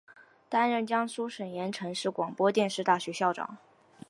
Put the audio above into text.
担任江苏省盐城市广播电视大学校长。